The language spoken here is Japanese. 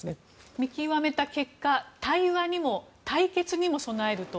見極めた結果対話にも対決にも備えると。